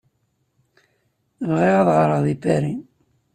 Bɣiɣ ad ɣreɣ deg Paris!